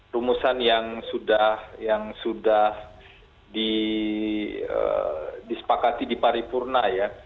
rumusan yang sudah disepakati diparipurna ya